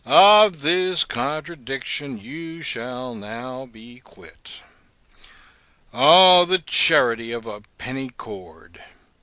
O, of this contradiction you shall now be quit. O, the charity of a penny cord!